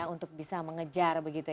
untuk bisa mengejar